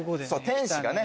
天使がね